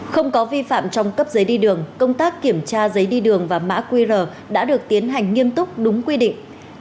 không có vi phạm trong cấp giấy đi đường công tác kiểm tra giấy đi đường và mã qr đã được tiến hành nghiêm túc đúng quy định